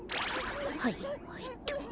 はいはいっと。